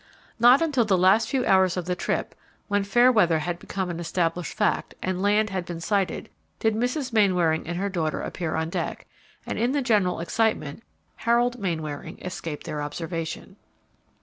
Not until the last few hours of the trip, when fair weather had become an established fact and land had been sighted, did Mrs. Mainwaring and her daughter appear on deck, and in the general excitement Harold Mainwaring escaped their observation.